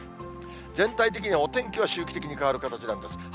全体的にはお天気は周期的に変わる形なんです。